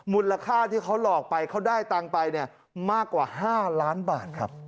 มูลค่าที่เขาหลอกไปเขาได้ตังค์ไปเนี่ยมากกว่า๕ล้านบาทครับ